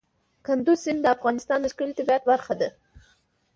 کندز سیند د افغانستان د ښکلي طبیعت برخه ده.